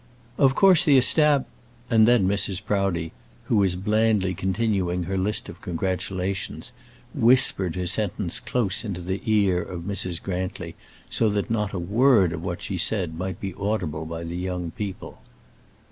"Of course the estab ," and then Mrs. Proudie, who was blandly continuing her list of congratulations, whispered her sentence close into the ear of Mrs. Grantly, so that not a word of what she said might be audible by the young people.